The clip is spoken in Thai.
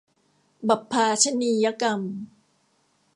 บัพพาชนียกรรม